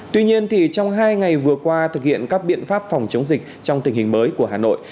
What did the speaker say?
tuy nhiên trong hai ngày vừa qua thực hiện các biện pháp phòng chống dịch trong tình hình mới của hà nội